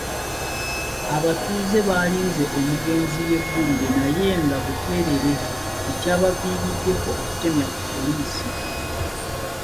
Abatuuze baalinze omugenzi yeggulire naye nga buteerere ekyabaviiriddeko okutemya ku poliisi.